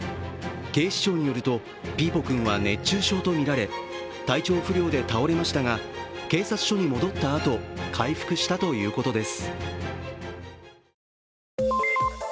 警視庁によると、ピーポくんは熱中症とみられ体調不良で倒れましたが警察署に戻ったあと回復したということです。